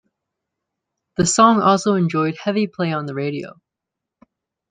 The song also enjoyed heavy play on the radio.